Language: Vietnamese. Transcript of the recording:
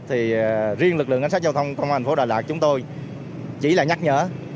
thì riêng lực lượng ánh sát giao thông công an thành phố đà lạt chúng tôi chỉ là nhắc nhở